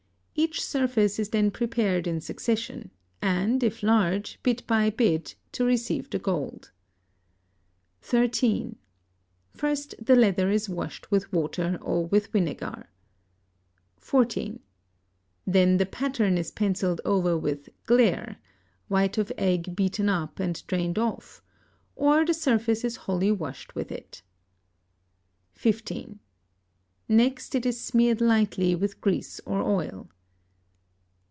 Each surface is then prepared in succession, and, if large, bit by bit, to receive the gold. (13) First the leather is washed with water or with vinegar. (14) Then the pattern is pencilled over with "glaire" (white of egg beaten up and drained off), or the surface is wholly washed with it. (15) Next it is smeared lightly with grease or oil.